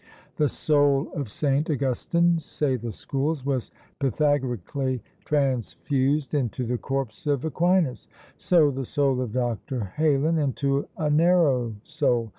The soul of St. Augustin (say the schools) was Pythagorically transfused into the corpse of Aquinas; so the soul of Dr. Heylin into a narrow soul.